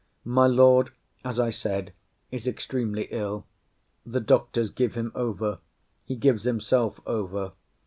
My Lord, as I said, is extremely ill. The doctors give him over. He gives himself over.